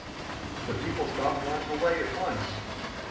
The people stopped running away at once.